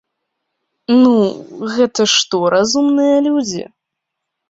Ну, гэта што, разумныя людзі?